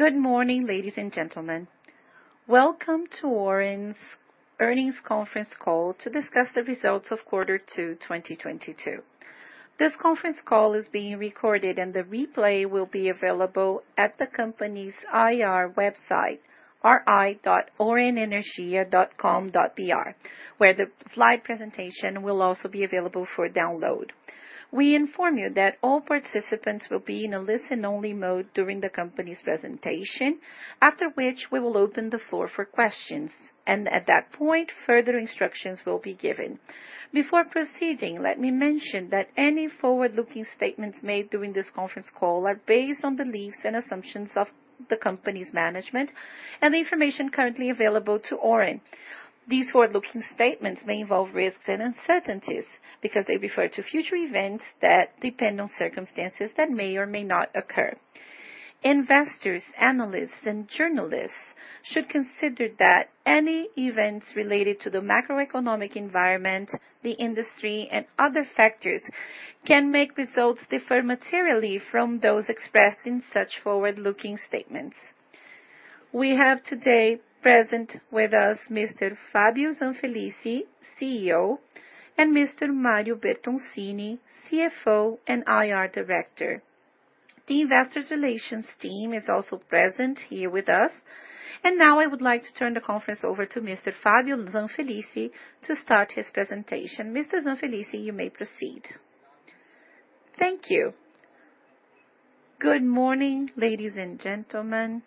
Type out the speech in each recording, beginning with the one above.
Good morning ladies and gentlemen. Welcome to Auren's Earnings Conference Call to discuss the results of Quarter Two 2022. This conference call is being recorded and the replay will be available at the company's IR website, ri.aurenenergia.com.br, where the slide presentation will also be available for download. We inform you that all participants will be in a listen-only mode during the company's presentation. After which, we will open the floor for questions, and at that point, further instructions will be given. Before proceeding, let me mention that any forward-looking statements made during this conference call are based on beliefs and assumptions of the company's management and the information currently available to Auren. These forward-looking statements may involve risks and uncertainties because they refer to future events that depend on circumstances that may or may not occur. Investors, analysts, and journalists should consider that any events related to the macroeconomic environment, the industry, and other factors can make results differ materially from those expressed in such forward-looking statements. We have today present with us Mr. Fabio Zanfelice, CEO, and Mr. Mario Bertoncini, CFO and IR Director. The investor relations team is also present here with us. Now I would like to turn the conference over to Mr. Fabio Zanfelice to start his presentation. Mr. Zanfelice, you may proceed. Thank you. Good morning ladies and gentlemen.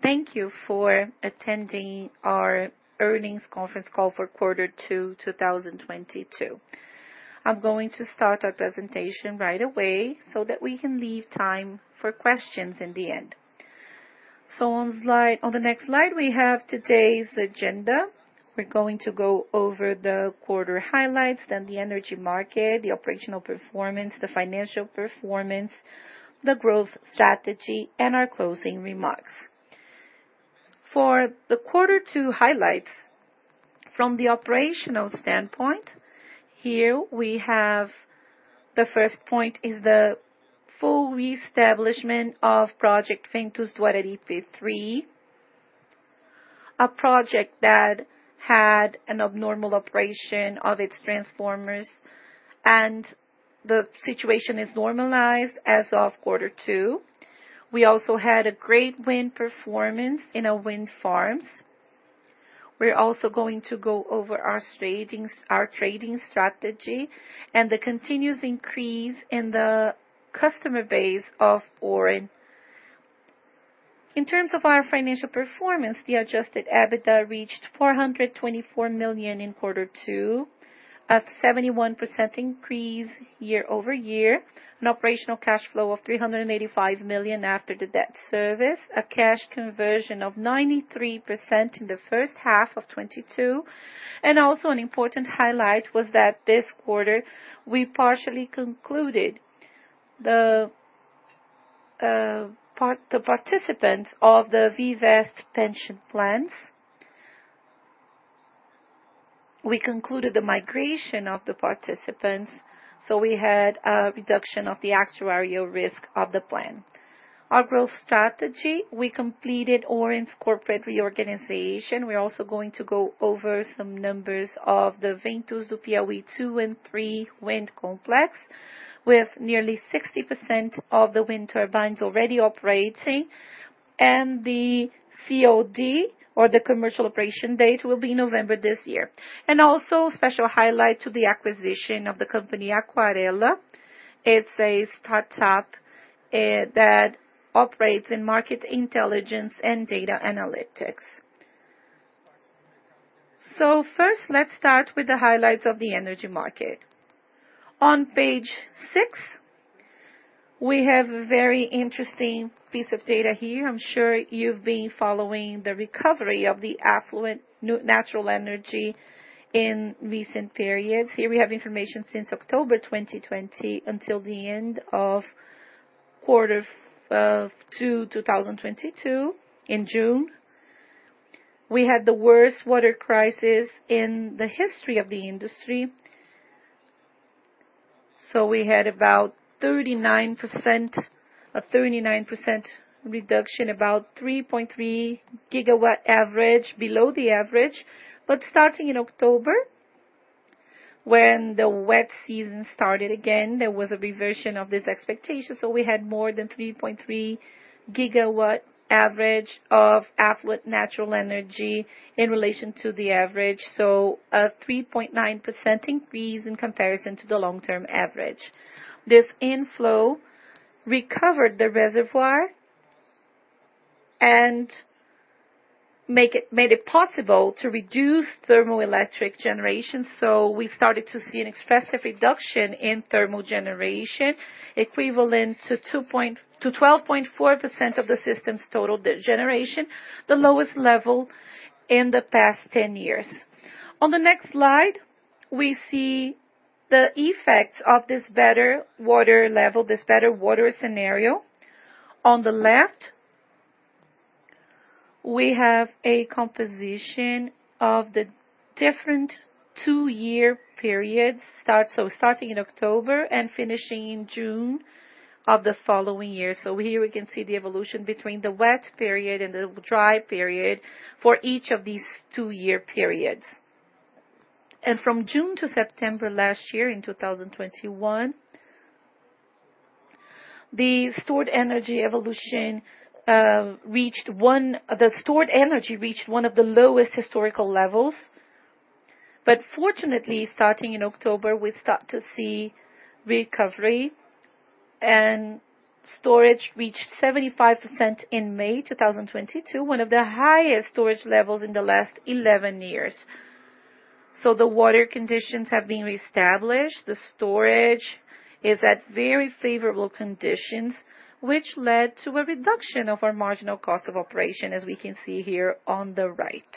Thank you for attending our earnings conference call for quarter two 2022. I'm going to start our presentation right away so that we can leave time for questions in the end. On the next slide, we have today's agenda. We're going to go over the quarter highlights, then the energy market, the operational performance, the financial performance, the growth strategy, and our closing remarks. For the quarter two highlights from the operational standpoint, here we have the first point is the full reestablishment of project Ventos do Araripe III, a project that had an abnormal operation of its transformers, and the situation is normalized as of quarter two. We also had a great wind performance in our wind farms. We're also going to go over our trading, our trading strategy and the continuous increase in the customer base of Auren. In terms of our financial performance, the Adjusted EBITDA reached 424 million in quarter two, a 71% increase year-over-year. An operational cash flow of 385 million after the debt service. A cash conversion of 93% in the H1 of 2022. Also an important highlight was that this quarter we partially concluded the participants of the Vivest pension plans. We concluded the migration of the participants, so we had a reduction of the actuarial risk of the plan. Our growth strategy, we completed Auren's corporate reorganization. We're also going to go over some numbers of the Ventos do Piauí II and III wind complex, with nearly 60% of the wind turbines already operating. The COD, the commercial operation date, will be November this year. Also special highlight to the acquisition of the company Aquarela. It's a start-up that operates in market intelligence and data analytics. First let's start with the highlights of the energy market. On page six, we have a very interesting piece of data here. I'm sure you've been following the recovery of the affluent natural energy in recent periods. Here we have information since October 2020 until the end of quarter two 2022 in June. We had the worst water crisis in the history of the industry. We had about a 39% reduction, about 3.3 GW average below the average. Starting in October, when the wet season started again there was a reversion of this expectation, we had more than 3.3 GW average of affluent natural energy in relation to the average. A 3.9% increase in comparison to the long-term average. This inflow recovered the reservoir and made it possible to reduce thermoelectric generation. We started to see an expressive reduction in thermal generation, equivalent to 12.4% of the system's total generation, the lowest level in the past 10 years. On the next slide, we see the effects of this better water level, this better water scenario. On the left, we have a composition of the different two-year periods, starting in October and finishing in June of the following year. Here we can see the evolution between the wet period and the dry period for each of these two-year periods. From June to September last year in 2021, the stored energy evolution reached one of the lowest historical levels. Fortunately, starting in October, we start to see recovery and storage reached 75% in May 2022, one of the highest storage levels in the last 11 years. The water conditions have been reestablished. The storage is at very favorable conditions, which led to a reduction of our marginal cost of operation, as we can see here on the right.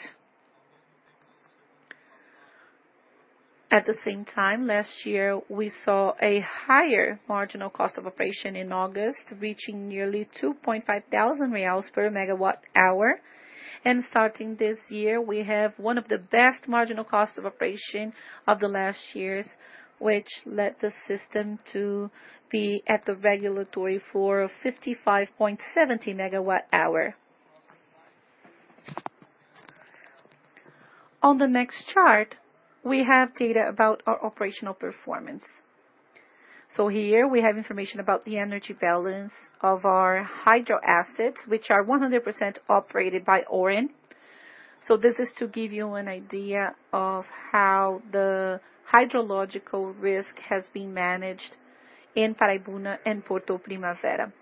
At the same time, last year, we saw a higher marginal cost of operation in August, reaching nearly 2,500 reais per MWh. Starting this year, we have one of the best marginal cost of operation of the last years, which led the system to be at the regulated floor of 55.70 per MWh. On the next chart, we have data about our operational performance. Here we have information about the energy balance of our hydro assets, which are 100% operated by Auren. This is to give you an idea of how the hydrological risk has been managed in Paraibuna and Porto Primavera.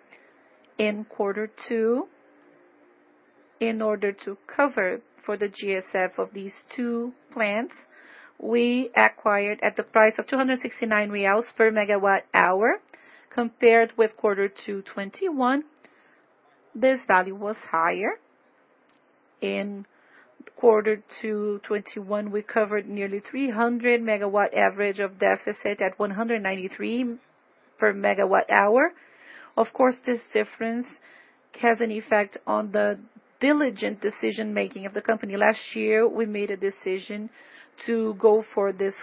In quarter two, in order to cover for the GSF of these two plants, we acquired at the price of BRL 269 per MWh. Compared with quarter two 2021, this value was higher. In quarter two 2021, we covered nearly 300 average MW of deficit at 193 per MWh. Of course, this difference has an effect on the diligent decision-making of the company. Last year, we made a decision to go for this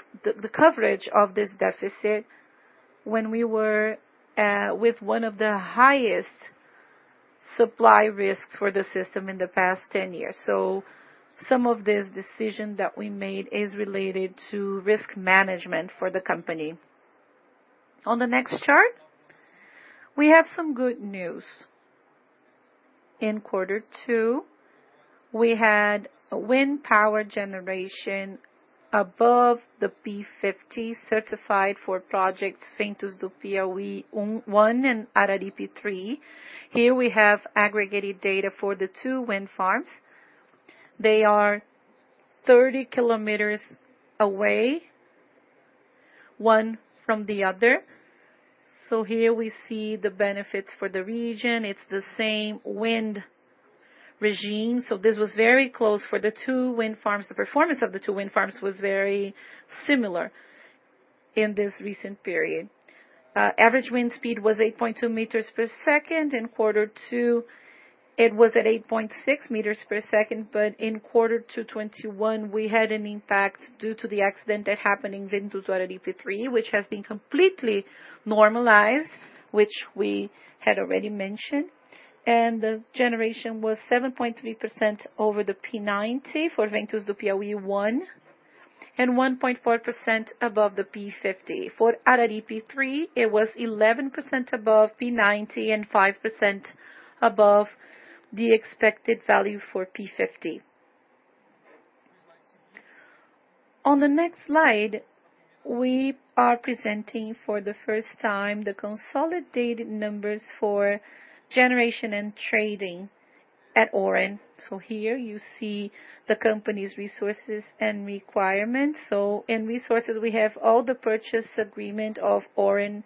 coverage of this deficit when we were with one of the highest supply risks for the system in the past 10 years. Some of this decision that we made is related to risk management for the company. On the next chart, we have some good news. In quarter two, we had wind power generation above the P50 certified for projects Ventos do Piauí I and Ventos do Araripe III. Here we have aggregated data for the two wind farms. They are 30 kilometers away, one from the other. Here we see the benefits for the region. It's the same wind regime, so this was very close for the two wind farms. The performance of the two wind farms was very similar in this recent period. Average wind speed was 8.2 meters per second. In quarter two, it was at 8.6 meters per second. in quarter 2 2021, we had an impact due to the accident that happened in Ventos do Araripe III, which has been completely normalized, which we had already mentioned. The generation was 7.3% over the P90 for Ventos do Piauí I, and 1.4% above the P50. For Araripe III, it was 11% above P90 and 5% above the expected value for P50. On the next slide, we are presenting for the first time the consolidated numbers for generation and trading at Auren. Here you see the company's resources and requirements. In resources we have all the purchase agreement of Auren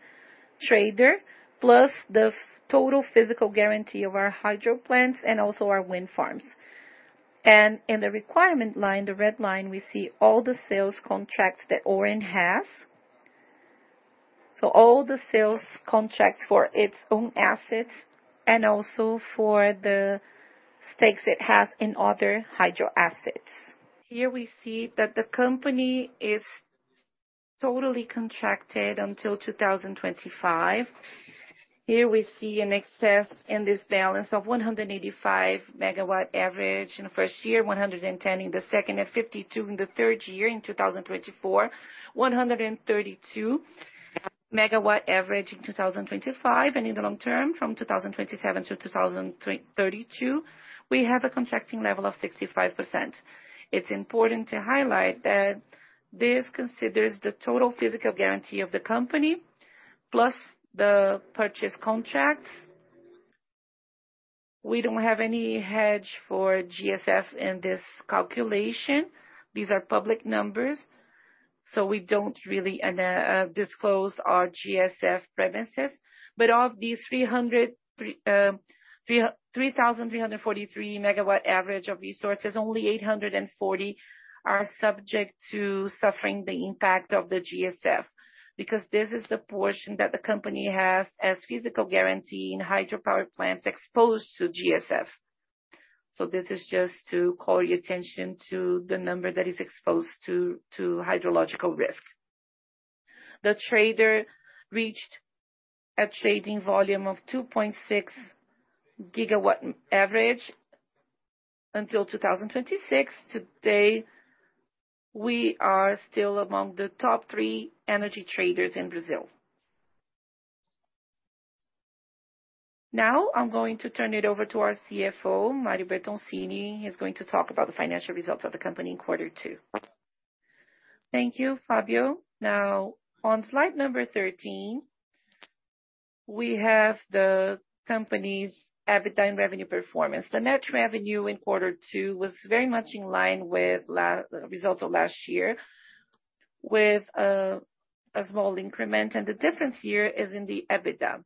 Trader, plus the total physical guarantee of our hydro plants and also our wind farms. In the requirement line, the red line, we see all the sales contracts that Auren has. All the sales contracts for its own assets and also for the stakes it has in other hydro assets. Here we see that the company is totally contracted until 2025. Here we see an excess in this balance of 185 average MW in the first year, 110 in the second, and 52 in the third year. In 2024, 132 average MW in 2025. In the long term, from 2027-2032, we have a contracting level of 65%. It's important to highlight that this considers the total physical guarantee of the company plus the purchase contracts. We don't have any hedge for GSF in this calculation. These are public numbers, so we don't really disclose our GSF premises. Of these 3,343 average megawatt of resources, only 840 are subject to suffering the impact of the GSF, because this is the portion that the company has as physical guarantee in hydropower plants exposed to GSF. This is just to call your attention to the number that is exposed to hydrological risk. The trader reached a trading volume of 2.6 GW average until 2026. Today, we are still among the top three energy traders in Brazil. I'm going to turn it over to our CFO, Mario Bertoncini, he's going to talk about the financial results of the company in quarter two. Thank you, Fabio. Now, on slide number 13, we have the company's EBITDA and revenue performance. The net revenue in quarter two was very much in line with results of last year, with a small increment, and the difference here is in the EBITDA.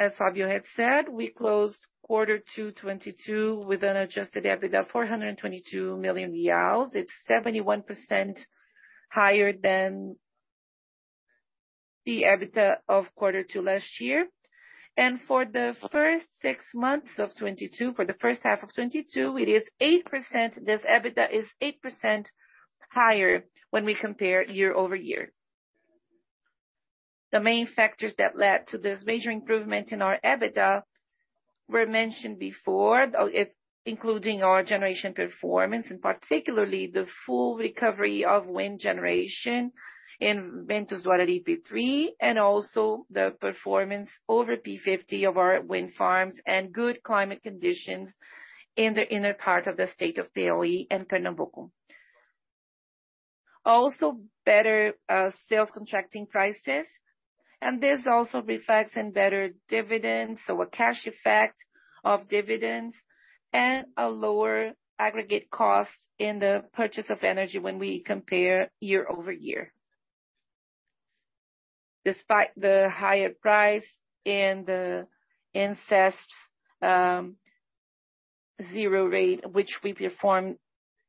As Fabio had said, we closed quarter two 2022 with an Adjusted EBITDA, 422 million. It's 71% higher than the EBITDA of quarter two last year. For the first six months of 2022, for the H1 of 2022, this EBITDA is 8% higher when we compare year-over-year. The main factors that led to this major improvement in our EBITDA were mentioned before. It's including our generation performance, and particularly the full recovery of wind generation in Ventos do Araripe III, and also the performance over P50 of our wind farms and good climate conditions in the inner part of the state of Piauí and Pernambuco. Also better sales contracting prices, and this also reflects in better dividends, so a cash effect of dividends and a lower aggregate cost in the purchase of energy when we compare year-over-year. Despite the higher price and ICMS's zero rate, which we performed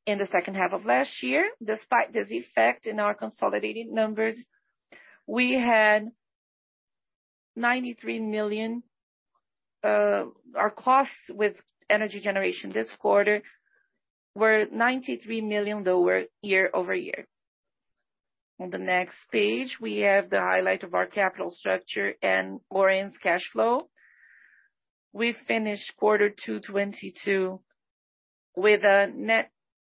in the second half of last year, despite this effect in our consolidated numbers, our costs with energy generation this quarter were BRL 93 million lower year-over-year. On the next page, we have the highlight of our capital structure and Auren's cash flow. We finished quarter two 2022 with a net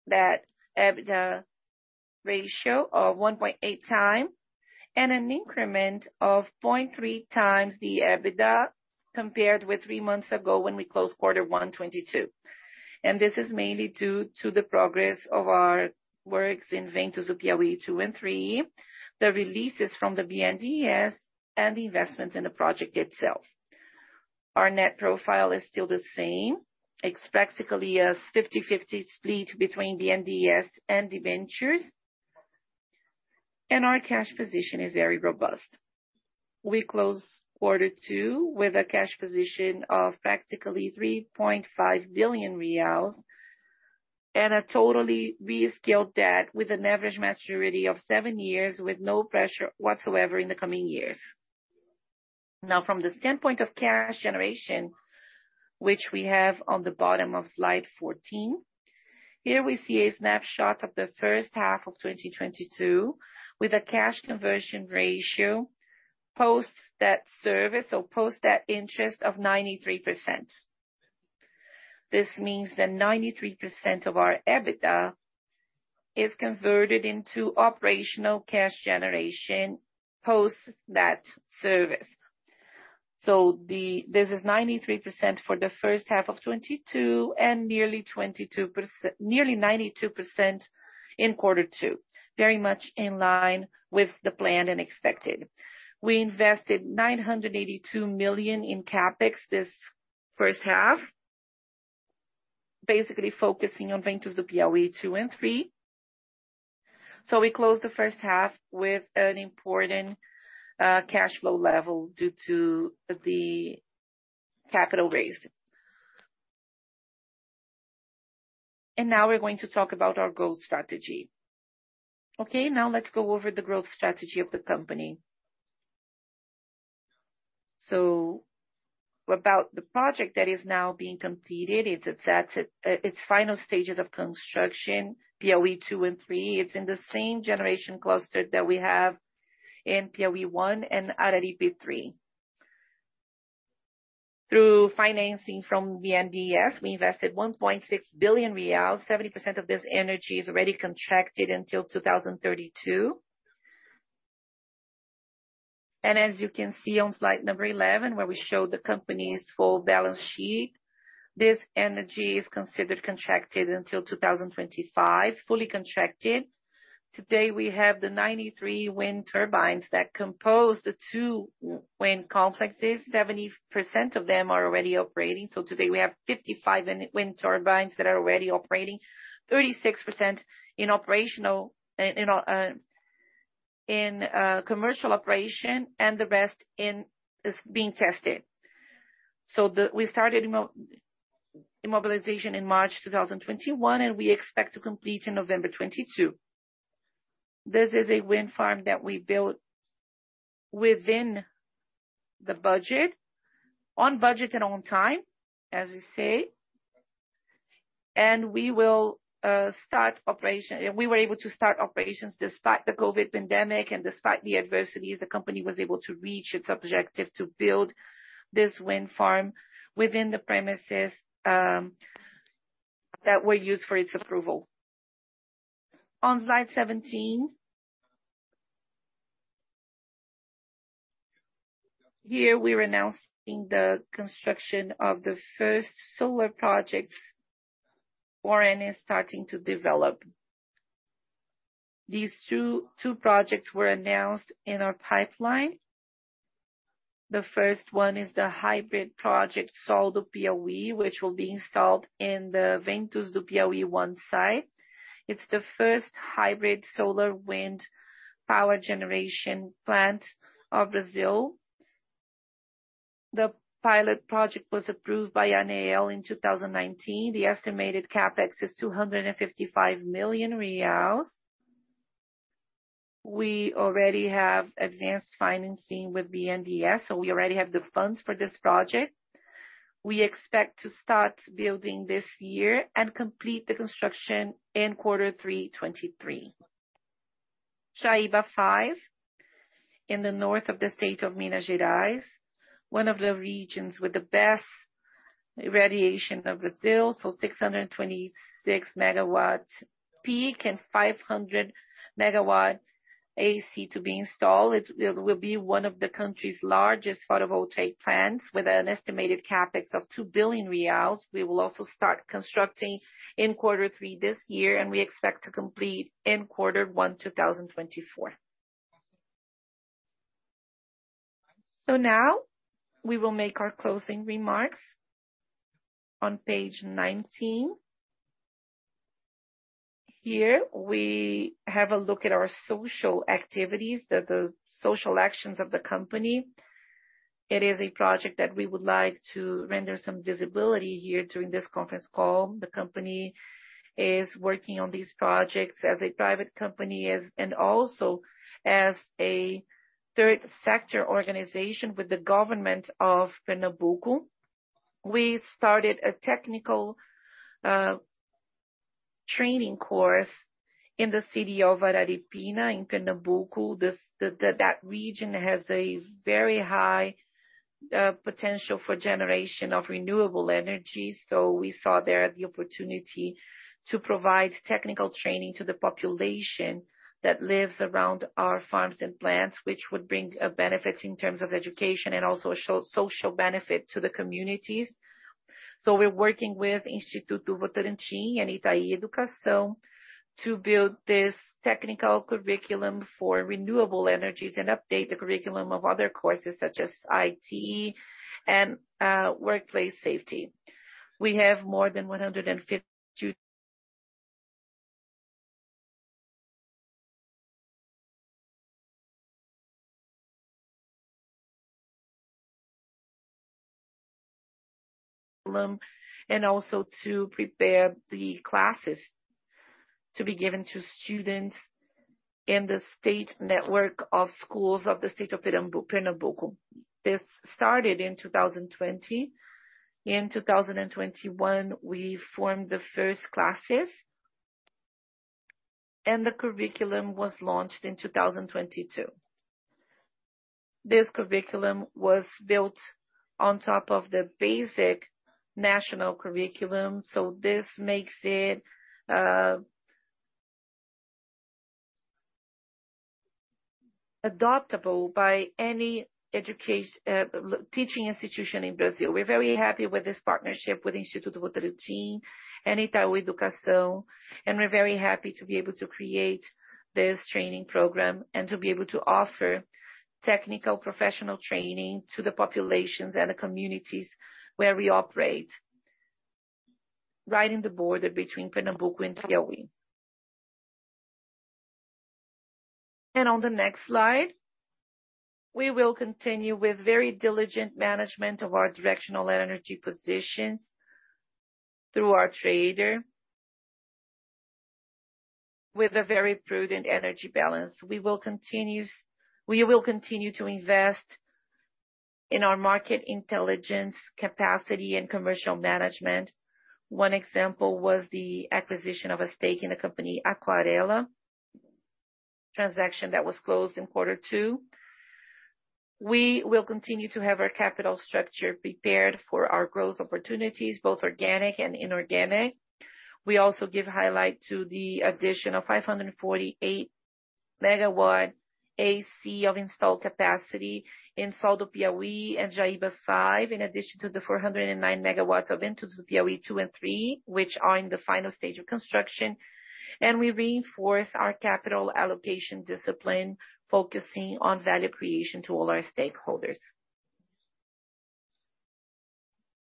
debt EBITDA ratio of 1.8x and an increment of 0.3x the EBITDA compared with three months ago when we closed quarter one 2022. This is mainly due to the progress of our works in Ventos do Piauí II and III, the releases from the BNDES, and the investments in the project itself. Our net profile is still the same. It's practically a 50/50 split between BNDES and debentures. Our cash position is very robust. We closed quarter two with a cash position of practically 3.5 billion reais and a totally restructured debt with an average maturity of seven years with no pressure whatsoever in the coming years. Now from the standpoint of cash generation, which we have on the bottom of slide 14. Here we see a snapshot of the H1 of 2022 with a cash conversion ratio post that service or post that interest of 93%. This means that 93% of our EBITDA is converted into operational cash generation post that service. This is 93% for the H1 of 2022 and nearly 92% in quarter two. Very much in line with the plan and expected. We invested 982 million in CapEx this H1, basically focusing on Ventos do Piauí II and III. We closed the H1 with an important cash flow level due to the capital raise. Now we're going to talk about our growth strategy. Okay, now let's go over the growth strategy of the company. About the project that is now being completed, it's at its final stages of construction, Piauí II and III. It's in the same generation cluster that we have in Piauí I and Araripe III. Through financing from BNDES, we invested BRL 1.6 billion. 70% of this energy is already contracted until 2032. As you can see on slide 11, where we show the company's full balance sheet, this energy is considered contracted until 2025, fully contracted. Today, we have the 93 wind turbines that compose the two wind complexes. 70% of them are already operating. Today, we have 55 wind turbines that are already operating, 36% in operational commercial operation, and the rest is being tested. We started mobilization in March 2021, and we expect to complete in November 2022. This is a wind farm that we built within the budget, on budget and on time, as we say. We were able to start operations despite the COVID pandemic and despite the adversities, the company was able to reach its objective to build this wind farm within the premises that were used for its approval. On slide 17, here we're announcing the construction of the first solar projects Auren is starting to develop. These two projects were announced in our pipeline. The first one is the hybrid project, Sol do Piauí, which will be installed in the Ventos do Piauí I site. It's the first hybrid solar wind power generation plant of Brazil. The pilot project was approved by ANEEL in 2019. The estimated CapEx is 255 million reais. We already have advanced financing with BNDES, so we already have the funds for this project. We expect to start building this year and complete the construction in quarter three 2023. Jaíba V in the north of the state of Minas Gerais, one of the regions with the best radiation of Brazil, so 626 MW peak and 500 MW AC to be installed. It will be one of the country's largest photovoltaic plants with an estimated CapEx of 2 billion reais. We will also start constructing in quarter three this year, and we expect to complete in quarter one 2024. Now we will make our closing remarks on page 19. Here we have a look at our social activities, the social actions of the company. It is a project that we would like to render some visibility here during this conference call. The company is working on these projects as a private company and also as a third sector organization with the government of Pernambuco. We started a technical training course in the city of Araripina in Pernambuco. That region has a very high potential for generation of renewable energy. We saw there the opportunity to provide technical training to the population that lives around our farms and plants, which would bring benefits in terms of education and also social benefit to the communities. We're working with Instituto Votorantim and Itaú Educação e Trabalho to build this technical curriculum for renewable energies and update the curriculum of other courses such as IT and workplace safety. We have more than 150 curriculum and also to prepare the classes to be given to students in the state network of schools of the state of Pernambuco. This started in 2020. In 2021, we formed the first classes, and the curriculum was launched in 2022. This curriculum was built on top of the basic national curriculum, so this makes it adoptable by any teaching institution in Brazil. We're very happy with this partnership with Instituto Votorantim and Itaú Educação, and we're very happy to be able to create this training program and to be able to offer technical professional training to the populations and the communities where we operate, right in the border between Pernambuco and Piauí. On the next slide, we will continue with very diligent management of our directional energy positions through our trader with a very prudent energy balance. We will continue to invest in our market intelligence capacity and commercial management. One example was the acquisition of a stake in the company Aquarela, transaction that was closed in quarter two. We will continue to have our capital structure prepared for our growth opportunities, both organic and inorganic. We also give highlight to the addition of 548 MW AC of installed capacity in Sol do Piauí and Jaíba V, in addition to the 409 MW of Ventos do Piauí II and III, which are in the final stage of construction. We reinforce our capital allocation discipline, focusing on value creation to all our stakeholders.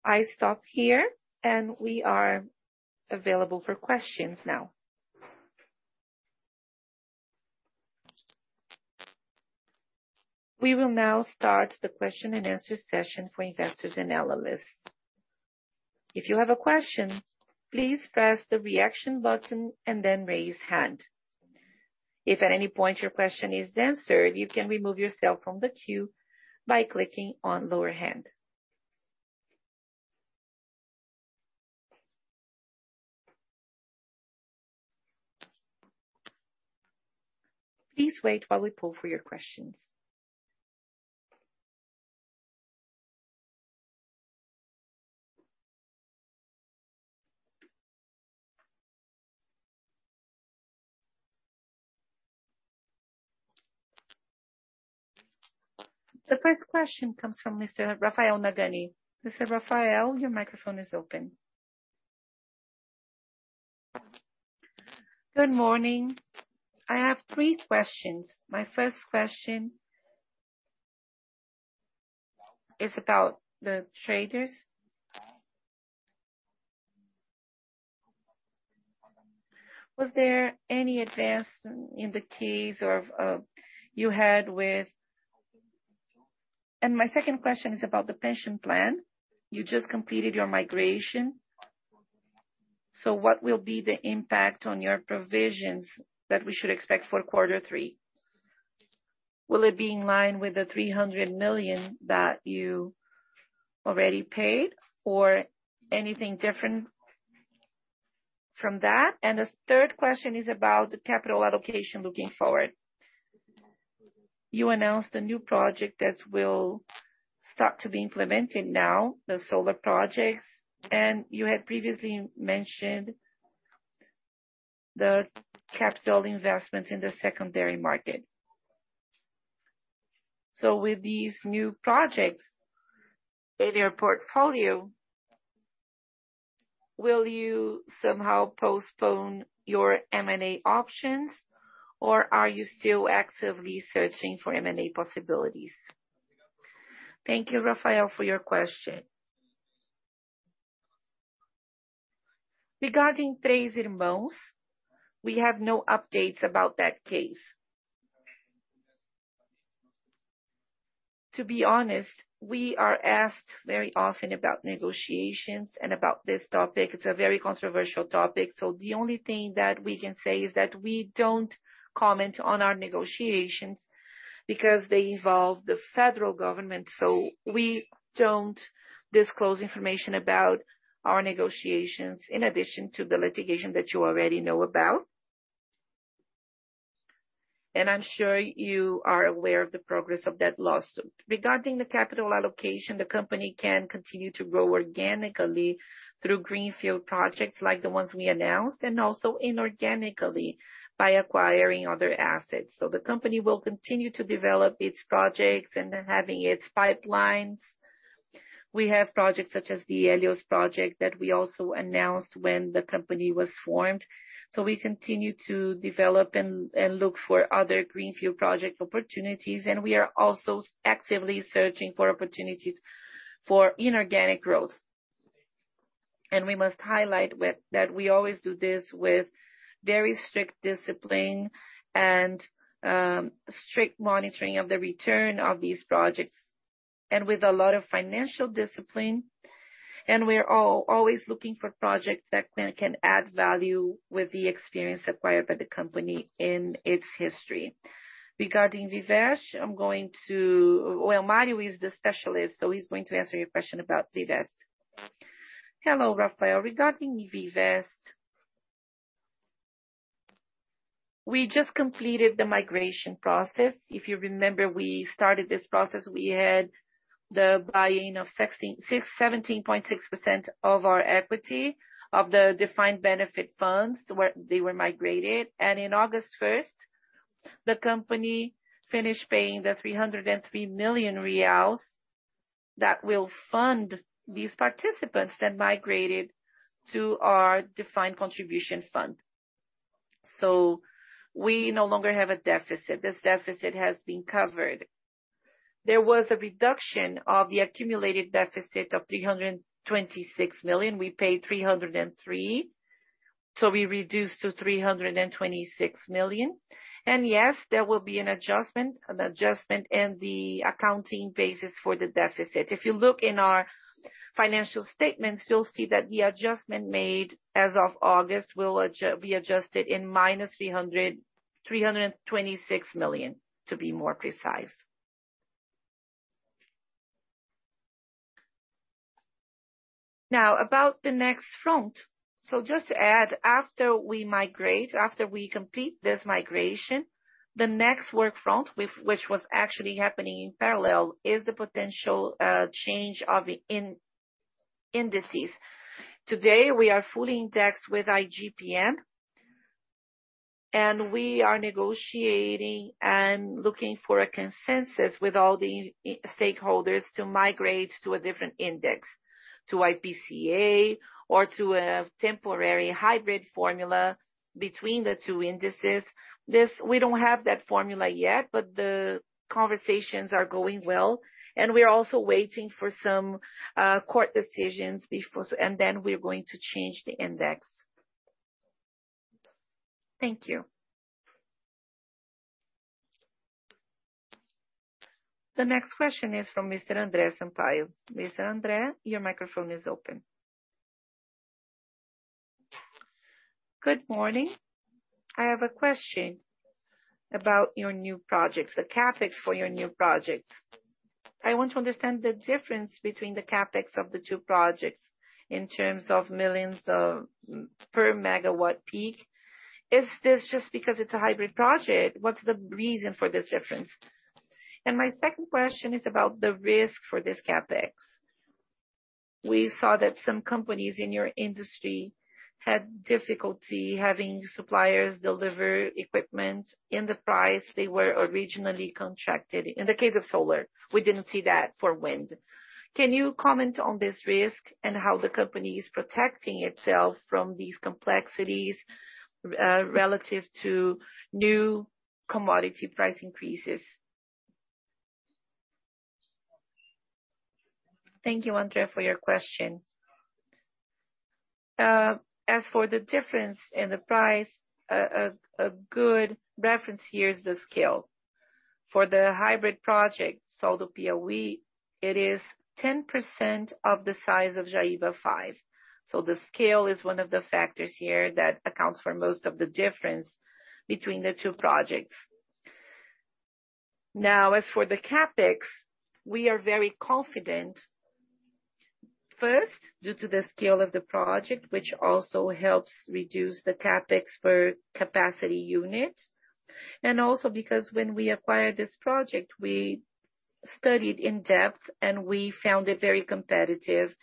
I stop here, and we are available for questions now. We will now start the question and answer session for investors and analysts. If you have a question, please press the reaction button and then raise hand. If at any point your question is answered, you can remove yourself from the queue by clicking on lower hand. Please wait while we pull for your questions. The first question comes from Mr. Rafael Nagano. Mr. Rafael, your microphone is open. Good morning. I have three questions. My first question is about the traders. Was there any advance in the case of? My second question is about the pension plan. You just completed your migration. What will be the impact on your provisions that we should expect for quarter three? Will it be in line with the 300 million that you already paid or anything different from that? My third question is about the capital allocation looking forward. You announced a new project that will start to be implemented now, the solar projects, and you had previously mentioned the capital investments in the secondary market. With these new projects in your portfolio, will you somehow postpone your M&A options, or are you still actively searching for M&A possibilities? Thank you Rafael for your question. Regarding Três Irmãos, we have no updates about that case. To be honest, we are asked very often about negotiations and about this topic. It's a very controversial topic. The only thing that we can say is that we don't comment on our negotiations because they involve the federal government. We don't disclose information about our negotiations in addition to the litigation that you already know about. I'm sure you are aware of the progress of that lawsuit. Regarding the capital allocation, the company can continue to grow organically through greenfield projects like the ones we announced, and also inorganically by acquiring other assets. The company will continue to develop its projects and then having its pipelines. We have projects such as the Helios project that we also announced when the company was formed. We continue to develop and look for other greenfield project opportunities, and we are also actively searching for opportunities for inorganic growth. We must highlight that we always do this with very strict discipline and strict monitoring of the return of these projects and with a lot of financial discipline. We are always looking for projects that can add value with the experience acquired by the company in its history. Regarding Vivest, Well, Mario is the specialist, so he's going to answer your question about Vivest. Hello Rafael regarding Vivest, we just completed the migration process. If you remember, we started this process. We had the buy-in of 66.17% of our equity of the defined benefit funds where they were migrated. In August first, the company finished paying the 303 million reais that will fund these participants that migrated to our defined contribution fund. We no longer have a deficit. This deficit has been covered. There was a reduction of the accumulated deficit of 326 million. We paid 303 million, so we reduced to 326 million. Yes, there will be an adjustment in the accounting basis for the deficit. If you look in our financial statements, you'll see that the adjustment made as of August will be adjusted in -326 million to be more precise. Now about the next front. Just to add, after we migrate, after we complete this migration, the next work front which was actually happening in parallel is the potential change of indices. Today, we are fully indexed with IGPM and we are negotiating and looking for a consensus with all the stakeholders to migrate to a different index, to IPCA or to a temporary hybrid formula between the two indices. We don't have that formula yet, but the conversations are going well and we are also waiting for some court decisions before and then we're going to change the index. Thank you. The next question is from Mr. Andre Sampaio. Mr. Andre, your microphone is open. Good morning. I have a question about your new projects, the CapEx for your new projects. I want to understand the difference between the CapEx of the two projects in terms of millions of per megawatt peak. Is this just because it's a hybrid project? What's the reason for this difference? And my second question is about the risk for this CapEx. We saw that some companies in your industry had difficulty having suppliers deliver equipment in the price they were originally contracted. In the case of solar, we didn't see that for wind. Can you comment on this risk and how the company is protecting itself from these complexities relative to new commodity price increases? Thank you, Andre, for your question. As for the difference in the price, a good reference here is the scale. For the hybrid project, Sol do Piauí, it is 10% of the size of Jaíba V. The scale is one of the factors here that accounts for most of the difference between the two projects. Now, as for the CapEx, we are very confident, first, due to the scale of the project, which also helps reduce the CapEx for capacity unit, and also because when we acquired this project, we studied in depth and we found it very competitive.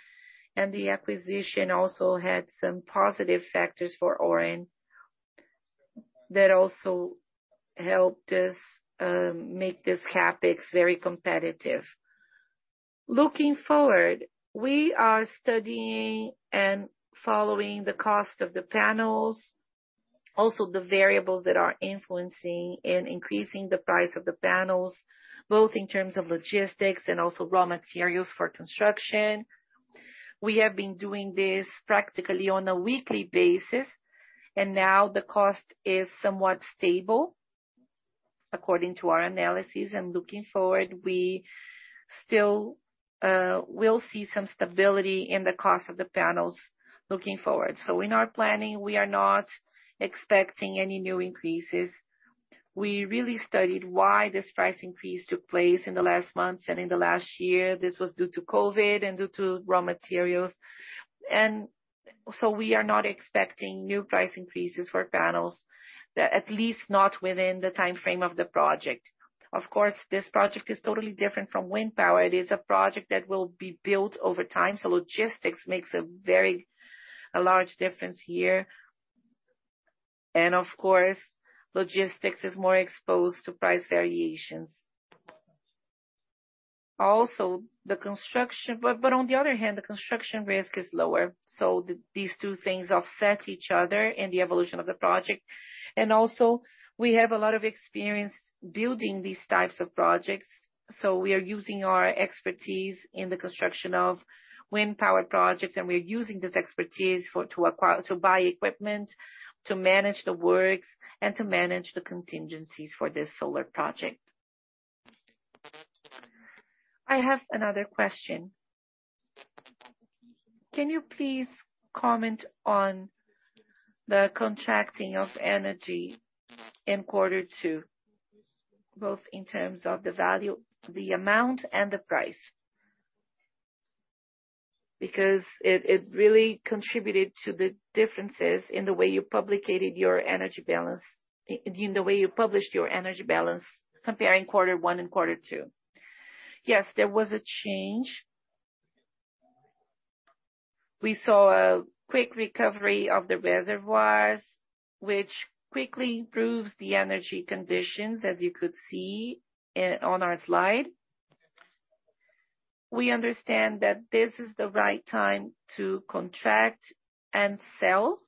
The acquisition also had some positive factors for Auren that also helped us make this CapEx very competitive. Looking forward, we are studying and following the cost of the panels, also the variables that are influencing and increasing the price of the panels, both in terms of logistics and also raw materials for construction. We have been doing this practically on a weekly basis, and now the cost is somewhat stable according to our analysis. Looking forward, we still will see some stability in the cost of the panels looking forward. In our planning, we are not expecting any new increases. We really studied why this price increase took place in the last months and in the last year. This was due to COVID and due to raw materials. We are not expecting new price increases for panels, at least not within the time frame of the project. Of course, this project is totally different from wind power. It is a project that will be built over time. Logistics makes a very large difference here. Of course, logistics is more exposed to price variations. On the other hand, the construction risk is lower. These two things offset each other in the evolution of the project. We have a lot of experience building these types of projects. We are using our expertise in the construction of wind power projects, and we are using this expertise for to acquire, to buy equipment, to manage the works, and to manage the contingencies for this solar project. I have another question. Can you please comment on the contracting of energy in quarter two, both in terms of the value, the amount and the price? Because it really contributed to the differences in the way you published your energy balance, in the way you published your energy balance comparing quarter one and quarter two. Yes, there was a change. We saw a quick recovery of the reservoirs, which quickly improves the energy conditions, as you could see on our slide. We understand that this is the right time to contract and sell,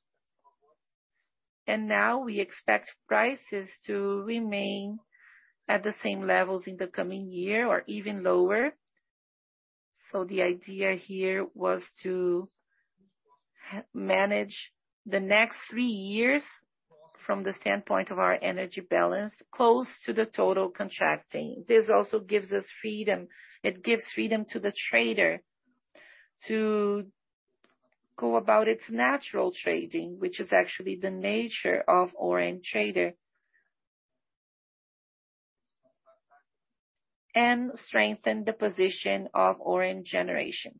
and now we expect prices to remain at the same levels in the coming year or even lower. The idea here was to manage the next three years from the standpoint of our energy balance, close to the total contracting. This also gives us freedom. It gives freedom to the trader to go about its natural trading, which is actually the nature of Auren Trader. Strengthen the position of Auren generation.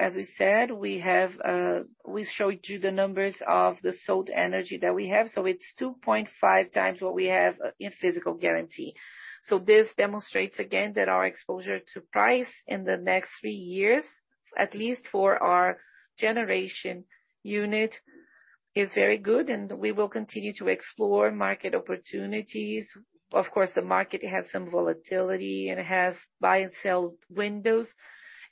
As we said, we have, we showed you the numbers of the sold energy that we have. It's 2.5x times what we have in physical guarantee. This demonstrates again that our exposure to price in the next three years, at least for our generation unit, is very good and we will continue to explore market opportunities. Of course, the market has some volatility and it has buy and sell windows,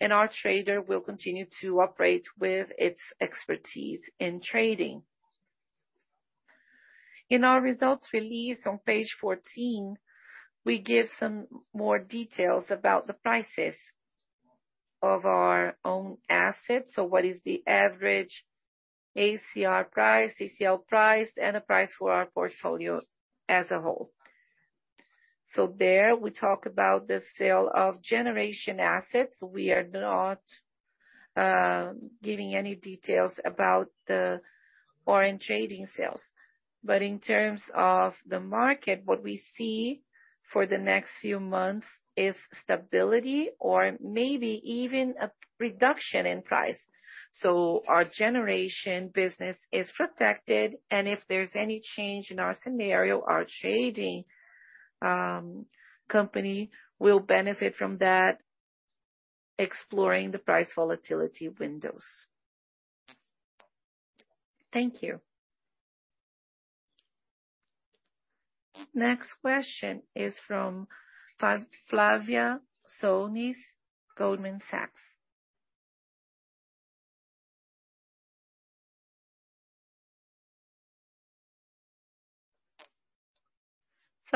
and our trader will continue to operate with its expertise in trading. In our results release on page 14, we give some more details about the prices of our own assets. What is the average ACR price, ACL price, and the price for our portfolios as a whole? There we talk about the sale of generation assets. We are not giving any details about the Auren trading sales. In terms of the market, what we see for the next few months is stability or maybe even a reduction in price. Our generation business is protected, and if there's any change in our scenario, our trading company will benefit from that, exploring the price volatility windows. Thank you. Next question is from Flavia Souza, Goldman Sachs.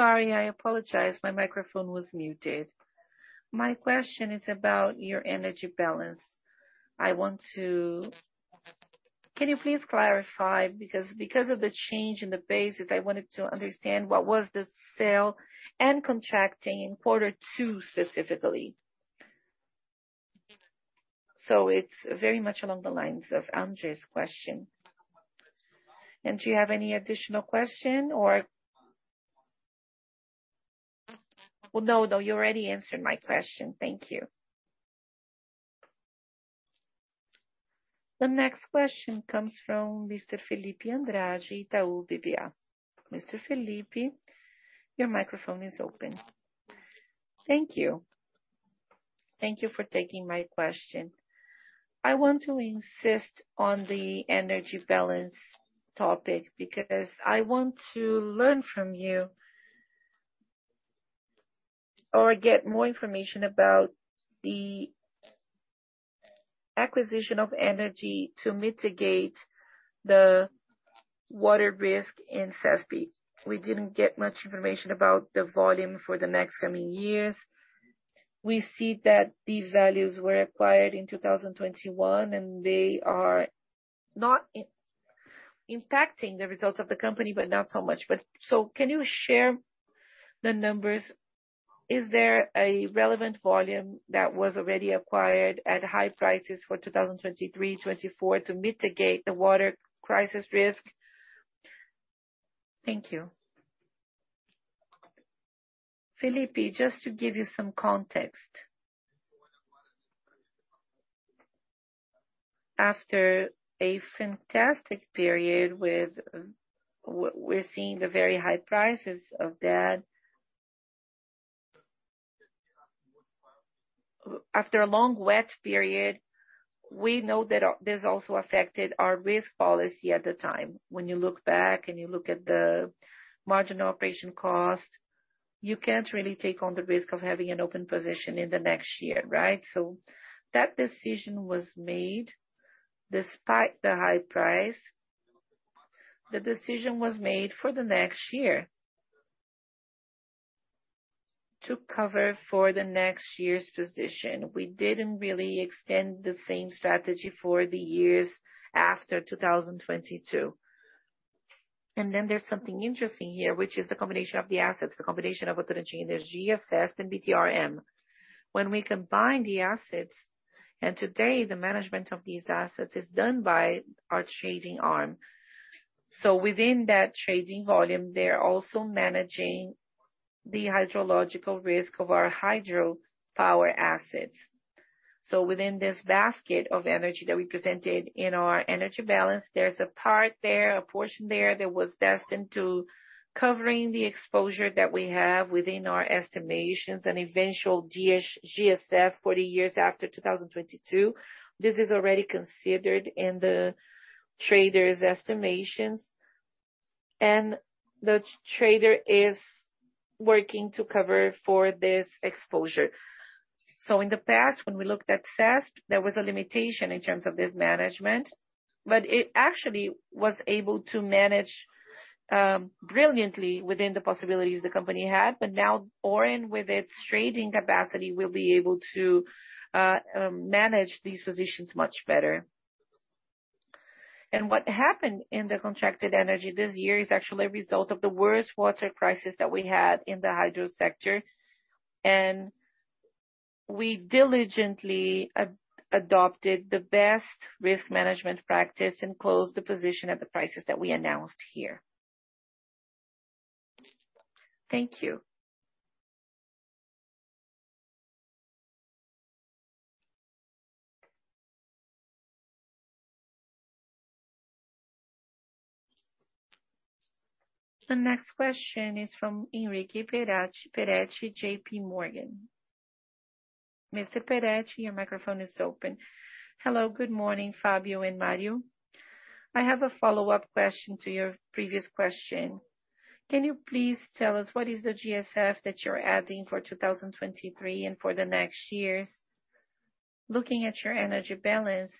Sorry, I apologize. My microphone was muted. My question is about your energy balance. I want to. Can you please clarify? Because of the change in the basis, I wanted to understand what was the sale and contracting in quarter two specifically. It's very much along the lines of Andre's question. Do you have any additional question or? Well, no, you already answered my question. Thank you. The next question comes from Mr. Felipe Andrade, Itaú BBA. Mr. Felipe, your microphone is open. Thank you. Thank you for taking my question. I want to insist on the energy balance topic because I want to learn from you or get more information about the acquisition of energy to mitigate the water risk in CESP. We didn't get much information about the volume for the next coming years. We see that these values were acquired in 2021, and they are not impacting the results of the company, but not so much. Can you share the numbers? Is there a relevant volume that was already acquired at high prices for 2023, 2024 to mitigate the water crisis risk? Thank you. Felipe just to give you some context. After a fantastic period with we're seeing the very high prices of that. After a long wet period, we know that this also affected our risk policy at the time. When you look back and you look at the marginal operation cost, you can't really take on the risk of having an open position in the next year, right? That decision was made despite the high price. The decision was made for the next year. To cover for the next year's position. We didn't really extend the same strategy for the years after 2022. There's something interesting here, which is the combination of the assets, the combination of energy assets and BTRM. When we combine the assets, and today the management of these assets is done by our trading arm. Within that trading volume, they're also managing the hydrological risk of our hydro power assets. Within this basket of energy that we presented in our energy balance, there's a part there, a portion there that was destined to covering the exposure that we have within our estimations and eventual GSF for the years after 2022. This is already considered in the trader's estimations, and the trader is working to cover for this exposure. In the past, when we looked at CESP, there was a limitation in terms of this management, but it actually was able to manage brilliantly within the possibilities the company had. Now Auren, with its trading capacity, will be able to manage these positions much better. What happened in the contracted energy this year is actually a result of the worst water crisis that we had in the hydro sector. We diligently adopted the best risk management practice and closed the position at the prices that we announced here. Thank you. The next question is from Henrique Perachi, JPMorgan. Mr. Perachi, your microphone is open. Hello. Good morning, Fabio and Mario. I have a follow-up question to your previous question. Can you please tell us what is the GSF that you're adding for 2023 and for the next years? Looking at your energy balance.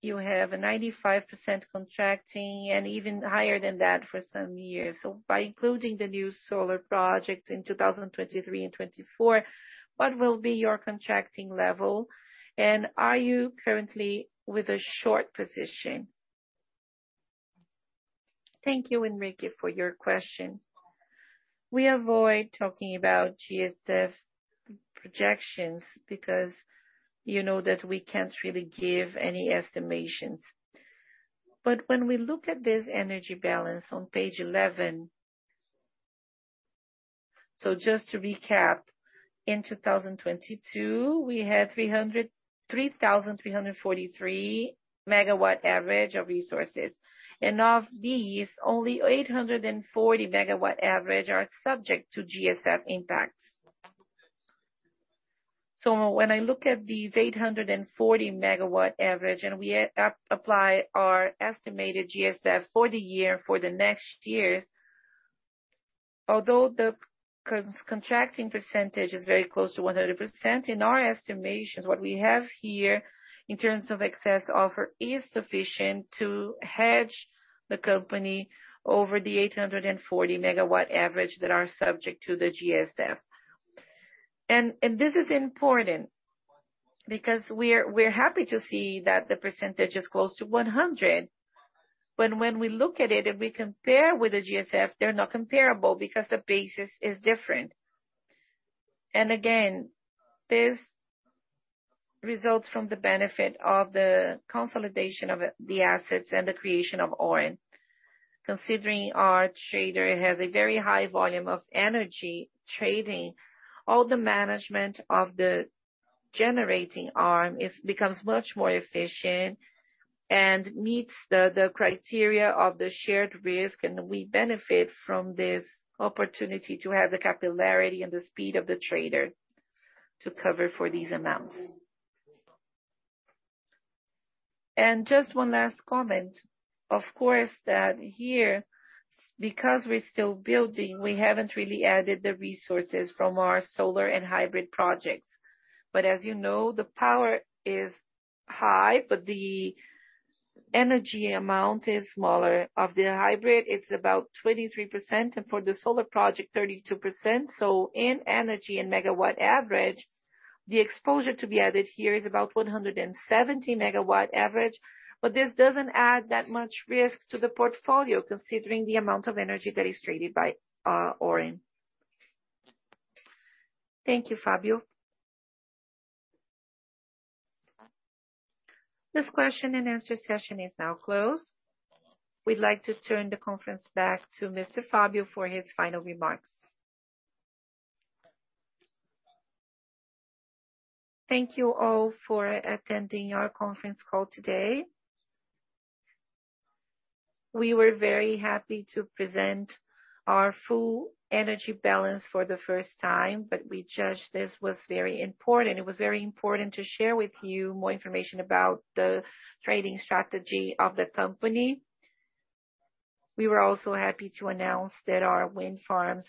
You have a 95% contracting and even higher than that for some years. By including the new solar projects in 2023 and 2024, what will be your contracting level? And are you currently with a short position? Thank you, Henrique, for your question. We avoid talking about GSF projections because you know that we can't really give any estimations. When we look at this energy balance on page 11. Just to recap, in 2022, we had 3,343 average MW of resources, and of these, only 840 average MW are subject to GSF impacts. When I look at these 840 average MW, and we apply our estimated GSF for the year, for the next years, although the contracting percentage is very close to 100%, in our estimations, what we have here in terms of excess offer is sufficient to hedge the company over the 840 average MW that are subject to the GSF. This is important because we're happy to see that the percentage is close to 100%, when we look at it and we compare with the GSF, they're not comparable because the basis is different. Again, this results from the benefit of the consolidation of the assets and the creation of Auren. Considering our trader has a very high volume of energy trading, all the management of the generating arm becomes much more efficient and meets the criteria of the shared risk, and we benefit from this opportunity to have the capillarity and the speed of the trader to cover for these amounts. Just one last comment, of course, that here, because we're still building, we haven't really added the resources from our solar and hybrid projects. As you know, the power is high, but the energy amount is smaller. Of the hybrid, it's about 23%, and for the solar project, 32%. In energy and megawatt average, the exposure to be added here is about 170 megawatt average. This doesn't add that much risk to the portfolio, considering the amount of energy that is traded by Auren. Thank you, Fabio. This question and answer session is now closed. We'd like to turn the conference back to Mr. Fabio Zanfelice for his final remarks. Thank you all for attending our conference call today. We were very happy to present our full energy balance for the first time, but we judged this was very important. It was very important to share with you more information about the trading strategy of the company. We were also happy to announce that our wind farms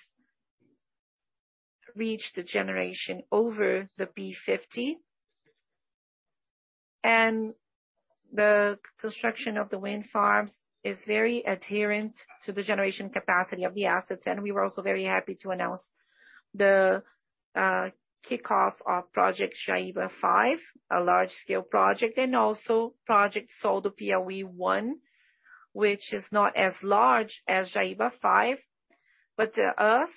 reached the generation over the P50. The construction of the wind farms is very adherent to the generation capacity of the assets. We were also very happy to announce the kickoff of project Jaíba V, a large-scale project, and also project Sol do Piauí I, which is not as large as Jaíba V. To us,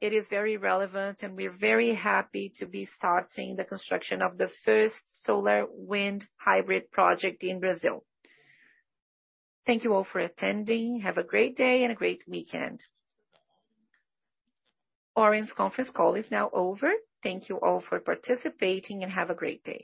it is very relevant, and we're very happy to be starting the construction of the first solar wind hybrid project in Brazil. Thank you all for attending. Have a great day and a great weekend. Auren's conference call is now over. Thank you all for participating, and have a great day.